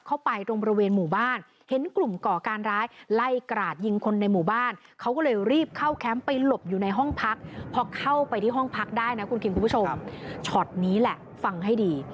เข้าไปที่ห้องพักได้นะคุณครีมคุณผู้ชมช็อตนี้แหละฟังให้ดี